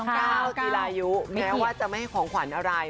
ก้าวจีรายุแม้ว่าจะไม่ให้ของขวัญอะไร